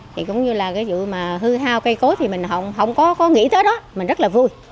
thì cũng như là cái vụ mà hư hao cây cối thì mình không có nghĩ tới đó mình rất là vui